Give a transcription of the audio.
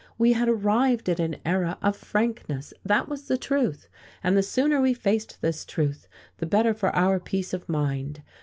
We had arrived at an era of frankness that was the truth and the sooner we faced this truth the better for our peace of mind.